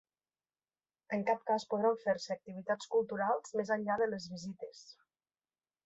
En cap cas podran fer-se activitats culturals més enllà de les visites.